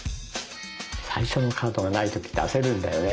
最初のカードがない時って焦るんだよね。